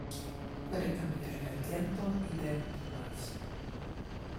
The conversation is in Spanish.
puede cambiar el viento y de un plumazo